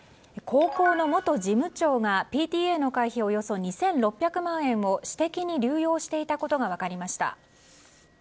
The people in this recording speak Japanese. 高校の元事務長がＰＴＡの会費およそ２６００万円を私的に流用していたことが分かりました。